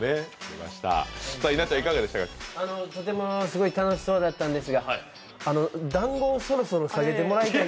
とてもすごい楽しそうだったんですが、だんごをそろそろ下げてもらいたい。